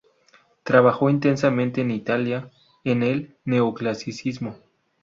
Trabajó intensamente en Italia, en el Neoclasicismo.